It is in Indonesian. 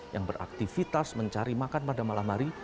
yang beraktivitas mencari makan pada malam hari